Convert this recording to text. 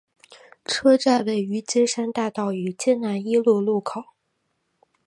车站位于金山大道与金南一路路口。